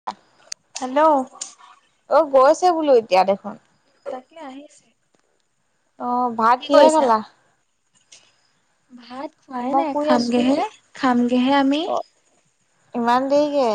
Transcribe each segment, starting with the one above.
[inaudible] Hello অ গৈছে বোলো এতিয়া দেখোন তাকে আহিছে অ' ভাত কি কিহে কৰিছা খালা ভাত খোৱাই মই নাই শুই আছো খামগেহে খামগেহে আমি অ ইমান দেৰিকে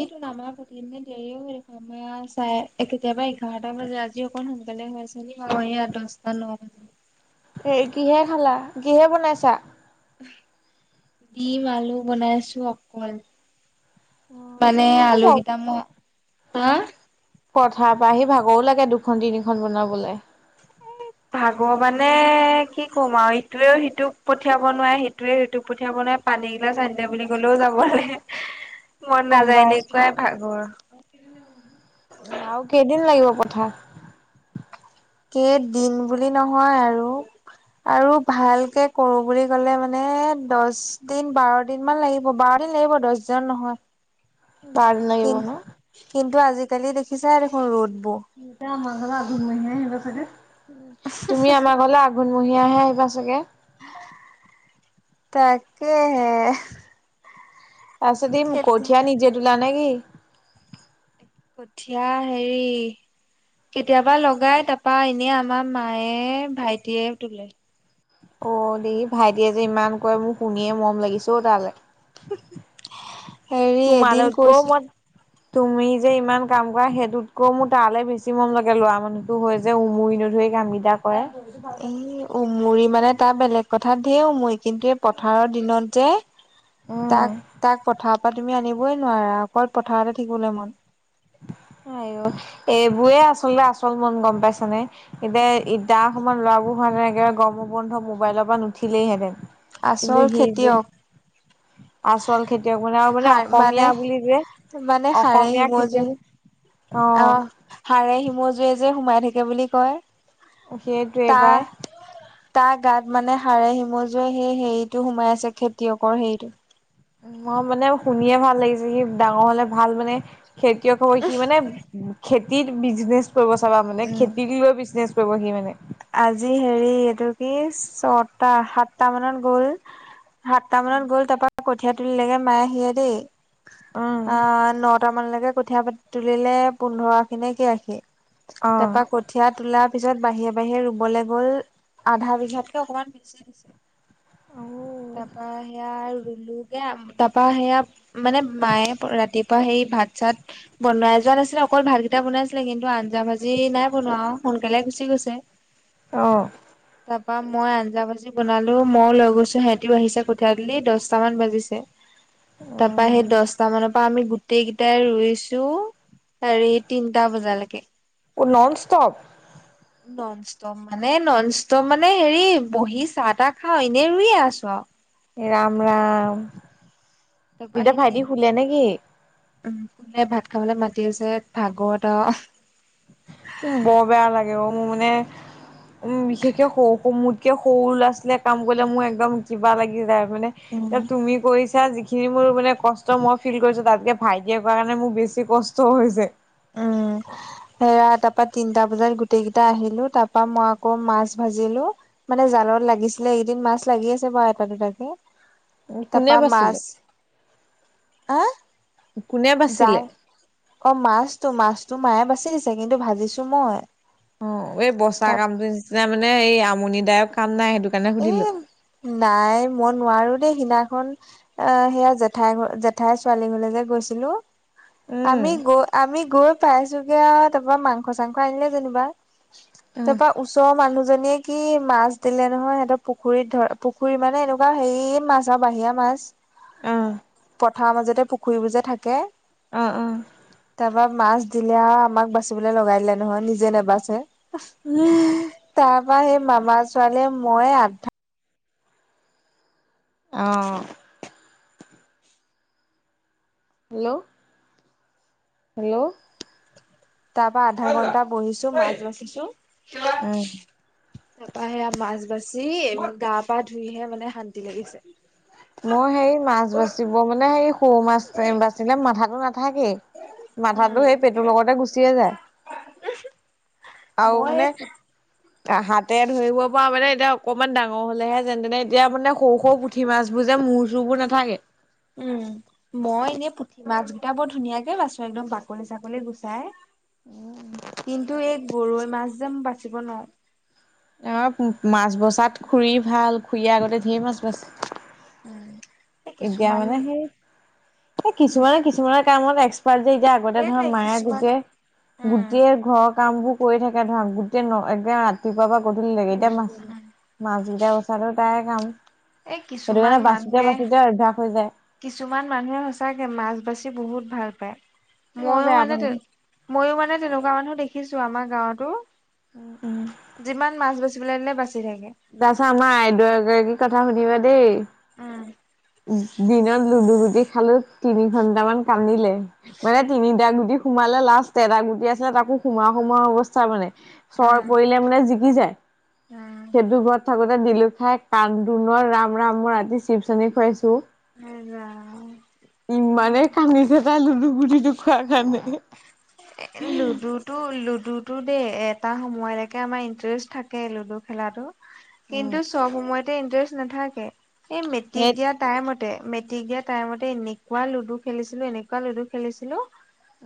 এইটো আমাৰ ঘৰত এনেয়ো দেৰিয়ে হয় দেখোন আমা এয়া চাৰে কেতিয়াবা এঘাৰটা বাজে আজি অকণ সোনকালে হৈছে এয়া দহটা ন এই কিহে খালা কিহে বনাইছা ডিম আলু বনাইছো অকল মানে অ আলু কিটা ম্ হা পথাৰ পৰা আহি ভাগৰো লাগে দুখন তিনিখন বনাবলে ভাগৰ মানে কি কম আৰু ইটোৱেও সিটোক পঠিয়াব নোৱাৰে সিটোৱে সিটোক পঠিয়াব নোৱাৰে পানী এগিলাচ আনিদে বুলি ক'লেও যাবলে হে হে মন গম পাই নাযায় আছো এনেকুৱাই ভাগৰ আৰু কেইদিন লাগিব পথাৰ কে দিন বুলি নহয় আৰু আৰু ভালকে কৰো বুলি ক'লে মানে দচ দিন বাৰ দিনমান লাগিব বাৰ দিন লাগিব দচদিনত নহয় বাৰদিন কি লাগিব ন কিন্তু আজিকালি দেখিছা দেখোন ৰ'দবোৰ যাম আমাৰ ঘৰলে আঘোনমহিয়া আহিবা চাগে তুমি আমাৰ ঘৰলে আহ গুণমহীয়াহে আহিবা চাগে তা্ কে্ হে্ পাছে তুমি কঠীয়া নিজে তুলা নে কি কঠিয়া হেৰি কেতিয়াবা লগাই তাৰাপা এনে আমাৰ মায়ে ভাইটিয়ে তোলে অ দেহি ভাইটিয়ে যে ইমান কৰে মোৰ শুনিয়ে মৰম লাগিছে অ তালে হেৰি তোমাৰ এদিন লগত কৈ কৈছিল মই তুমি যে ইমান কাম কৰা সেইটোতকৈও মোৰ তালৈ বেছি মন লাগে ল'ৰা মানুহটো হৈ যে উমুৰি নধৰি কাম কেইটা কৰে এই উমুৰি মানে তাৰ বেলেগ কথাত ঢেৰ উমৰি কিন্তু এই পথাৰৰ দিনত যে তাক তাক পথাৰৰ পৰা তুমি আনিব ক'বই নোৱাৰা অকল পথাৰতে থাকিবলৈ মন। আইঅ এইবোৰে আচলতে আচল মন গম পাইছানে। এতিয়া তাৰ সমান ল'ৰাবোৰ হোৱা হেতেন এনেকে গৰমৰ বন্ধত মোবাইলৰ পৰা নুঠিলেই হেঁতেন আচল খেতিয়ক আচল খেতিয়ক মানে আৰু মানে সাৰ অসমীয়া বুলি যে অসমীয়া হয় যে খেতিয়ক অ' হাড়ে হিমজুৱে যে সোমাই থাকে বুলি কয়। সেইটোৱে পাই তাৰ তাৰ গাত মানে হাড়ে সিমজুৱে সেই হেৰিটো সোমাই আছে খেতিয়কৰ হেৰিটো। মই মানে শুনিয়ে ভাল লাগিছে সি ডাঙৰ হ'লে ভাল মানে খেতিয়ক হৈ সি মানে খেতিত বিজনেচ কৰিব চাবা মানে উম খেতিক লৈ বিজনেচ কৰিব সি মানে। আজি হেৰি এইটো কি ছটা, সাতটা মানত গ'ল সাতটা মানত গ'ল তাৰপা কঠীয়া তুলিলে গৈ মায়ে সিয়ে দেই অ' উম ন নটা মানলৈকে কঠীয়া পাতি তুলিলে পোন্ধৰ আখি নে কেই আখি, অহ তাৰপা ক কঠীয়া তোলাৰ পিছত বাহিৰে-বাহিৰে ৰুবলৈ গ'ল আধা বিঘাতকে অকনমান বেছি দিছে। তাৰাপা সেয়া আৰু ৰুলোগে তাৰপা সেয়া মানে মায়ে ৰাতিপুৱা সেই ভাত চাত বনাই যোৱা নাছিলে অকল ভাতকেইটা বনাইছিলে কিন্তু আঞ্জা ভাজি নাই বনোৱা সোনকালে গুচি গৈছে অ' তাৰপা মই আঞ্জা ভাজি বনালো ময়ো লৈ গৈছোঁ সিহঁতিও আহিছে কঠীয়া তুলি দছটা মান বাজিছে। তাৰপা সেই উম দছটা মানত তাৰপা আমি গোটেই কেইটাই ৰুইছোঁ হেৰি তিনিটা বজালেকে। অ' নন ষ্টপ। নন ষ্টপ মানে নন ষ্টপ মানে হেৰি বহি চাহ তাহ খাওঁ এনেই ৰুইয়ে আছোঁ আৰু এ ৰাম-ৰাম তাৰপা, সেই তিন নেকি? উম ভাত খাবলৈ মাতি আছে ভাগৰত আৰু উম বৰ বেয়া লাগে অ' মোৰ মানে উম বিশেষকে সৰু-সৰু মোতকে সৰু ল'ৰা- ছোৱালীয়ে কাম কৰিলে মোৰ একদম কিবা লাগি যায় মানে উম এতিয়া তুমি কৰিছা যিখিনি মোৰ মানে কষ্ট মই ফিল কৰিছোঁ তাতকে ভাইটিয়ে কৰা কাৰণে মোৰ বেছি কষ্ট হৈছে। উম [unintelligible] সেয়া তাৰপা তিনিটা বজাত গোটেই কেইটা আহিলোঁ তাৰপা মই আকৌ মাছ ভাজিলো। মানে জালত লাগিছিলে এইকেইদিন মাছ লাগি আছে বাৰু এটা-দুটাকে। কোনে তাৰপা বাচিলে মাছ এ কোনে বাচিলে? যাওঁ অ' মাছটো-মাছটো মায়ে বাচি দিছে কিন্তু ভাবিছোঁ মই। অ' এই বচা তাৰ কামটোৰ নিচিনা মানে এই আমনিদায়ক কাম নাই সেইটো কাৰণে এ সুধিলোঁ। নাই মই নোৱাৰোঁ দেই সিদিনাখন অ' সেয়া জেঠাই জেঠাইৰ ছোৱালী ঘৰলে যে গৈছিলোঁ আমি উম গৈ আমি গৈ পাইছোঁ গে আও তাৰপা মাংস চাংস আনিলে যেনিবা। অ তাৰপা ওচৰৰ মানুহজনীয়ে কি মাছ দিলে নহয় সেই পুখুৰীত ধৰা পুখুৰী মানে এনেকুৱা হেৰি মাছ আৰু বাহিৰা মাছ। অ পথাৰৰ মাজতে পুখুৰীবোৰ যে থাকে অ'-অ' তাৰপা মাছ দিলে আৰু আমাক বাচিবলৈ লগাই দিলে নহয় নিজে নাবাচে [unintelligible] তাৰপা সেই মামা ছোৱালীয়ে ময়ে আধা অ' হেল্ল' হেল্ল' তাৰ পৰা আধা ঘন্টা বহিছোঁ মাছ বাছিছো। উম। তাৰপা সেয়া মাছ বাচি গা -পা ধুইহে মানে শান্তি লাগিছে। মই হেৰি মাছ বাচিব মানে হেৰি সৰু মাছ বাচিলে মাথাতো নাথাকেই। উম, মাথাতো সেই পেটুৰ লগতে গুচিয়ে যায়। [inaudible] আৰু মই মানে হাতে ধৰিব পৰা মানে এতিয়া অকমান ডাঙৰ হ'লে হে যেন তেনে এতিয়া মানে সৰু সৰু পুঠি মাছবোৰ যে মূৰ চুৰবোৰ নাথাকে। উম মই এনেই পুঠি মাছ কেইটা বৰ ধুনীয়াকে বাছো একদম বাকলি চাকলি গুচাই। কিন্তু এই গৰৈ মাছ যে বাচিব নোৱাৰোঁ। অ মাছ বচাত খুৰি ভাল খুৰিয়ে আগতে ঢেই মাছ বাচিছিলে। উম। এই এতিয়া কিছুমান মানে সেই সে কিছুমানে কিছুমান কিছুমানৰ কামত এক্সপাৰ্ট যে এতিয়া আগতে ধৰা সেইটোৱে মায়ে কিছুমান গোটেই উম, গোটেই ঘৰৰ কাম বোৰ কৰি থাকে ধৰা গোটেই ন এগে ৰাতিপুৱাৰ পৰা গধূলি লেকে এতিয়া মাছ উম। মাছকেইটা বাচাতো তাই কাম। এই সেইটো কিছুমান কাৰণে বাচোতে মানুহে বাচোতে অভ্যাস হৈ যায় কিছুমান মানুহে সঁচাকে মাছ বাচি বহুত ভাল পায় মই মইয়ো বেয়া মানে পাওঁ দেই। মইয়ো মানে তেনেকুৱা মানুহ দেখিছোঁ আমাৰ গাঁৱতো যিমান মাছ বাছি টোলেনে বাচি থাকে। তাৰপিছত আমাৰ আইদেউ এগৰাকী কথা শুনিবা উম। দেই। দিনত লুডু গুটি খালোঁ তিনি ঘন্টামান কান্দিলে। মানে তিনিটা গুটি সোমালে লাষ্ট এটা গুটি আছিলে তাকো সোমাও সোমাও অৱস্থা মানে। চৰ পৰিলে মানে জিকি যায়। সেইটো ঘৰত থাকোতে দিলোঁ খাই কান্দোনৰ ৰাম ৰাম মই ৰাতি চিপচ আনি খুৱাইছোঁ। উম হুম। ইমানে কান্দিছে তাই লুডু গুটিটো খোৱাৰ কাৰণে। এ লুডুত তটো লুডু টো দেই এটা সময়লৈকে আমাৰ ইণ্টেৰেষ্ট থাকে লুডু খেলাতো উম। কিন্তু চব সময়তে ইণ্টাৰেষ্ট নাথাকে এই মেট্ৰিক সেই দিয়াত টাইমতে মেট্ৰিক দিয়া টাইমতে এনেকুৱা লুডু খেলিছিলোঁ এনেকুৱা লুডু খেলিছিলোঁ।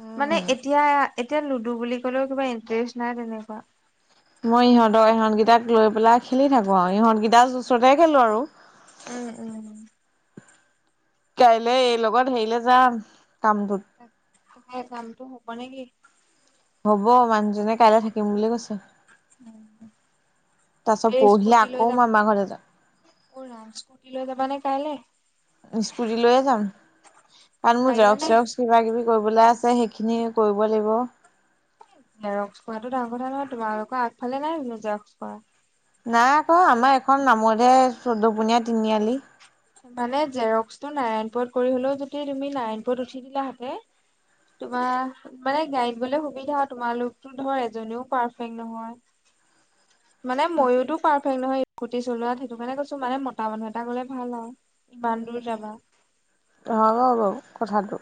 উম। মানে এতিয়া এতিয়া লুডু বুলি কলেও কিবা ইন্টাৰেষ্ট নাই তেনেকুৱা। মই ইহঁতৰ ইহঁতকেইটাক লৈ পেলাই খেলি থাকোঁ আৰু ইহঁতকেইটা ওচৰতে খেলোঁ আৰু। উম উম। কাইলে এই লগত হেৰিলে যাম কামটোত। হে কামটো হ'ব নেকি! হ'ব মানুহজনে কাইলে থাকিম বুলি কৈছে। উম। তাৰ পাছত পৰহিলে আকৌ মই মামা ঘৰলে যাম। অ ৰাম স্কুটি লৈ যাবা নে কাইলে? স্কুটি লৈয়ে যাম কাৰণ মোৰ জেৰক্স পাৰিবানে? চেৰক্স কিবা কিবি কৰিবলে আছে সেইখিনি কৰিব লাগিব। এ জেৰক্স কৰাটো ডাঙৰ কথা নহয় তোমালোকৰ আগফালে নাই জানোঁ জেৰক্স কৰা। নাই আকৌ আমাৰ এখন নামতহে চৌধ্য পোনীয়া তিনিআলি। মানে জেৰক্স টো নাৰায়ণপুৰত কৰি হ'লেও যদি তুমি নাৰায়ণপুৰত উঠি দিলা হাতে তোমাৰ মানে গাড়ীড গ'লে সুবিধা তোমালোকতো ধৰ এজনীও পাৰফেক্ট নহয়। মানে ময়োতো পাৰফেক্ট নহয় কুটি চলোৱাত সেইটো কাৰণে কৈছোঁ মানে মতা মানুহ এটা গ'লে ভাল আৰু। ইমান দূৰ যাবা। হ'ব বাৰু কথাটো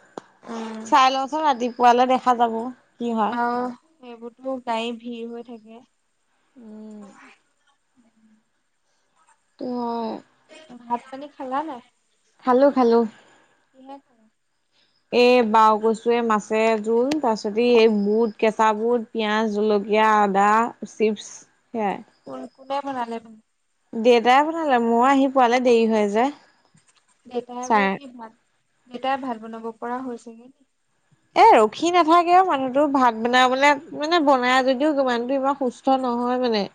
উম চাই লওঁচোন ৰাতিপুৱালে দেখা যাব। কি হয়। আহ সেইবোৰত মোৰ গাড়ী ভিৰ হৈ থাকে উম। সেইটো হয়। ভাত পানী খালা নে? খালোঁ খালোঁ! এনে। এ বাও কছুৱে মাছে জোল তাৰ পিছত ই বুট কেঁচা বুট। পিঁয়াজ, জলকীয়া, আদা, চিপছ সেয়াই। কোন কোনে বনালে মানে? দেউতাই বোনালে, মই আহি পোৱালে দেৰি হৈ যায়। দেউতাই আকৌ কি ভাত, দেউতাই ভাত বনাব পৰা হৈছেগে নেকি? এ ৰখি নাথাকেও মানুহতো ভাত বনাবলৈ মানে বনাই যদিও মানুহটো ইমান সুস থ নহয় মানে।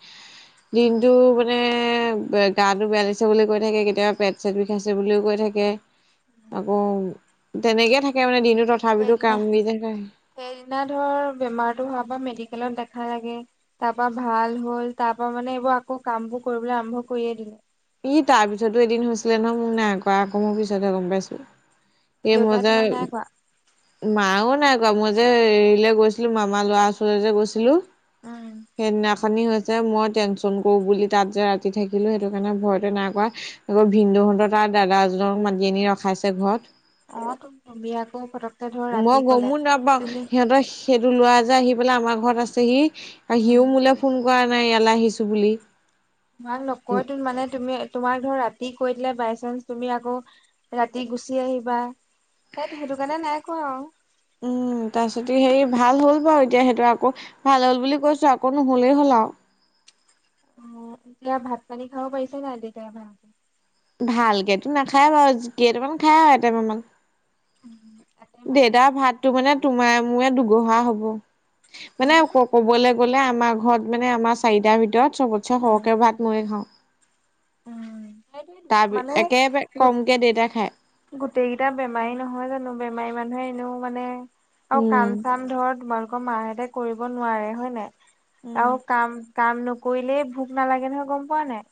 দিনটো মানে বে গাটো বেয়া লাগিছে বুলি কৈ থাকে কেতিয়াবা পেট চেট বিষাইছে বুলিও কৈ থাকে আকৌ তেনেকে থাকে মানে দিনটো ত সেইদিনা, সেইদিনা ধৰ বেমাৰটো হোৱাৰ বা মেডিকেলত দেখালে গে। তাৰ পৰা ভাল হ'ল, তাৰ পৰা মানে এইবোৰ আকৌ কামবোৰ কৰিবলৈ আৰম্ভ কৰিয়ে দিলে। ই তাৰ পিছতো এদিন হৈছিলে ন মোক নাই কোৱা আকৌ পিছতহে গম পাইছো। এই মই দেউতাই যে তোমাক নাই কোৱা? মাও নাই কোৱা মই যে এৰিলে গৈছিলো মামাৰ ল'ৰা ওচৰ যে গৈছিলো? উম, সেইদিনাখনি হৈছে মই টেনচন কৰো বুলি তাত যে ৰাতি থাকিলো সেইটো সেইকাৰণে ভয়তে নাই কোৱা আকৌ ভিনদহঁত তাৰ দাদা এজনক মাতি আনি ৰখাইছে ঘৰত। অ তুমি আকৌ পটককে ধৰ মই ৰাতি কলে গমো নাপাওঁ তুমি সিহঁতৰ সেইটো লোৱা যে আহি পেলাই আমাৰ ঘৰত আছেহি আৰু উম, সিও মোলৈ ফোন কৰা নাই ইয়ালৈ আহিছোঁ বুলি। তোমাক নকয়টোন মানে তুমি তোমাক ধৰ ৰাতি কৈ দিলে বাই চানস তুমি আকৌ ৰাতি গুচি আহিবা, সেইট সেইটো কাৰণে নাই কোৱা আৰু। উম তাৰপিছতে সেইৰি ভাল হ'ল বাৰু এতিয়া সেইটো আকৌ ভাল হ'ল বুলি কৈছো আকৌ নুহুলেই হ'ল আৰু। অ এতিয়া ভাত - পানী খাব পাৰিছে নাই তেতিয়া ভালকে? ভালকেতো নাখায় বাৰু জুতি কেইটামান খাই আৰু এতেপামান। উম, তাতে মা দেউতাৰ ভাতটো মানে তোমাৰ মো দুগহা হব মানে ক কবলে গলে আমাৰ ঘৰত মানে আমাৰ চাৰিটাৰ ভিতৰত চবতচে উম, সৰহকে ভাত ময়ে খাওঁ। উম। সেইটোৱে তাৰি একেবাৰে কমকে দেউতাই খায়। গোটেইকিটা বেমাৰী নহয় জানো বেমাৰী মানুহে এনেও মানে আৰু কাম - উম। চাম ধৰ তোমালোকৰ মাহঁতে কৰিব নোৱাৰে হয় নে? আৰু উম কাম কাম নকৰিলেই ভোক নালাগে নহয় গম পোৱা নাই?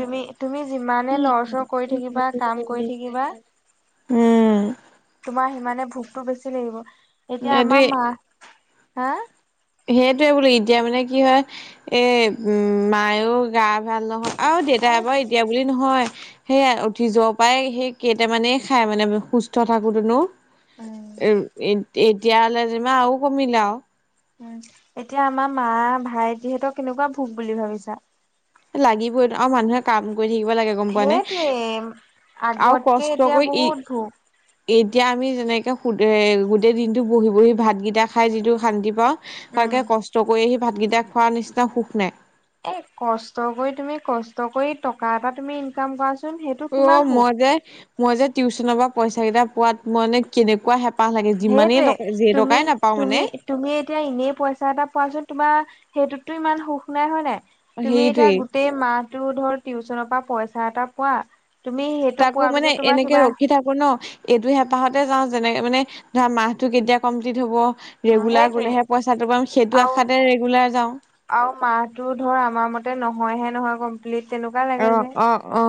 তুমি তুমি যিমানে লৰচৰ কৰি থাকিবা কাম কৰি থাকিবা উম। তোমাৰ সিমানে ভোকটো বেছি লাগিব এতিয়া আমাৰ এইটোৱে মা হা! সেইটোৱে বোলো এতিয়া মানে কি হয়, এ উম মায়ও গা ভাল নহয়। আৰু দেউতা বাৰু উম এতিয়া বুলি নহয়। সেয়াই উঠি যোৱা পৰাই সেই কেইটামানে খাই মানে সুস্থ থাকোতেনো। এ উম এ এতিয়া হলে যেমা আৰু কমিল আৰু। উম এতিয়া আমাৰ মা, ভাইটিহতক কেনেকুৱা ভোক বুলি ভাবিছা? লাগিবই আৰু মানুহে কাম কৰি থাকিব লাগে গম পোৱা নে? এম আৰু কষ্ট কৰি ই এতিয়া আমি যেনেকে শুদে গোটেই দিনটো বহি বহি ভাতগিটা খাই যিটো শান্তি পাওঁ উম ভালকে কষ্ট কৰি আহি ভাতকেইটা খোৱাৰ নিচিনা সুখ নাই। এ কষ্ট কৰি তুমি কষ্ট কৰি টকা এটা তুমি ইনকাম কৰা অ মই যে, মই যে টিউচনৰ পৰা পইচাগিটা পোৱাত মানে কেনেকুৱা হেপ পাঁহ লাগে যিমানেই সেইটোৱে টকা যে তুমি টকাই নাপাওঁ মানে? তুমি তুমি এতিয়া এনেই পইচা এটা পোৱাচোন তোমাৰ সেইটোতটো ইমান সুখ নাই হয় নাই? তুমি এতিয়া সেইটোৱেই গোটেই মাহটো ধৰ টিউচনৰ পৰা পইচা এটা পোৱা। তুমি সেইটো তাকো পোৱাৰ মানে পিছত তোমাৰ এনেকে কিবা ৰখি থাকো ন এইটো হেঁপাহতে যাও যেনেকে মানে ধৰা মাহটো কেতিয়া কমপ্লিট হব। ৰেগুলাৰ সেইটোৱে গলেহে পইচাটো পাম সেইটো আশাতে ৰেগুলাৰ যাওঁ। আও মাহটো ধৰ আমাৰ মতে নহয়হে নহয় কমপ্লিট তেনেকোৱা অ লাগে যে। অ অ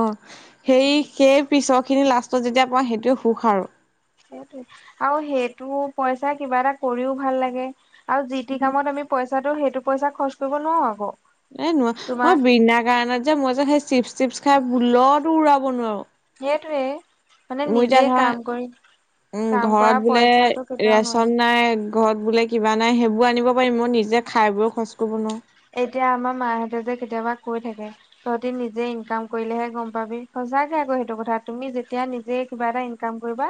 সেই সেই পিছৰখিনি লাষ্টত যেতিয়া পোৱা সেইটোৱে সুখ আৰু। সেইটোৱে আৰু সেইটো পইচা কিবা এটা কৰিও ভাল লাগে আৰু যি তি কামত আমি পইচাটো সেইটো পইচা খৰচ কৰিব নোৱাৰো আকৌ এ নোৱা মই তোমাৰ বিণা কাৰণত যে মই যে সেই চিপছ টিপছ খাই ভুলতো উৰাব নোৱাৰো। সেইটোৱে। মানে মোৰ নিজে এতিয়া কাম কৰি ধৰা উম কাম কৰা ঘৰত বোলে পইচাটো কেতিয়াও নোৱাৰি ৰেচন নাই ঘৰত বোলে কিবা নাই সেইবোৰ আনিব পাৰিম মই নিজে খাই বৈ খৰচ কৰিব নোৱাও। এতিয়া আমাৰ মাহঁতে যে কেতিয়াবা কৈ থাকে। তহঁতি নিজে ইনকাম কৰিলেহে গম পাবি সঁচাকে আকৌ সেইটো কথা তুমি যেতিয়া নিজে কিবা এটা ইন কাম কৰিবা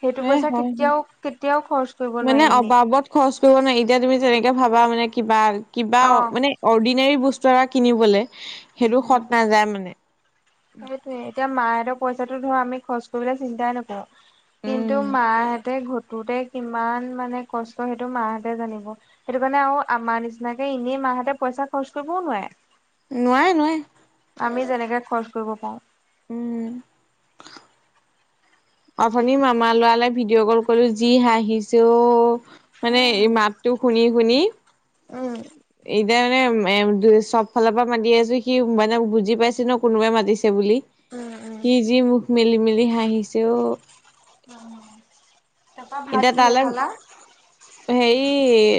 সেইটো এ পইচা হয় হয় কেতিয়াও কেতিয়াও খৰচ কৰিব মানে নোৱাৰি এনেই। অবাবত খৰচ কৰিব নোৱাৰি এতিয়া তুমি তেনেকে ভাবা মানে কিবা কিবা অ মানে অৰ্ডিনেৰী বস্তু এটা কিনিবলে সেইটো সত নাযায় মানে। সেইটোয়ে এতিয়া মাহঁতৰ পইচাতো ধৰ আমি খৰচ কৰিবলে চিন্তাই নকৰো। উম কিন্তু মাহেঁতে ঘটোতে কিমান মানে কষ্ট সেইটো মাহঁতে জানিব। সেইটো কাৰণে আৰু আমাৰ নিচিনাকে এনেই মাহঁতে পইচা খৰচ কৰিবও নোৱাৰে। নোৱাৰে নোৱাৰে। আমি যেনেকে খৰচ কৰিব পাৰো। উম। অথনি মামা লৰালে ভিডিঅ' কল কৰিলো যি হাঁহিছে অও মানে উম মাত টো শুনি শুনি। উম। এতিয়া মানে এ চব ফালৰ পৰা মাতি আছো সি মানে বুজি পাইছে ন কোনোবাই মাতিছে বুলি উম সি যি মুখ মেলি মেলি হাঁহিছে অ। উম তাৰপা এতিয়া ভাত কিহে তালে খালা? হেৰি